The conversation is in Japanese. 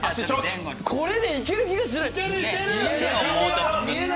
これでいける気がしない。